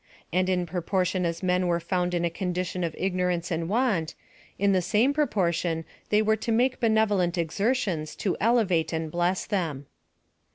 And in proportion as men were found in a condition of ignorance and want, in the same proportion they were to make benevolent exertions to elevate and bless them.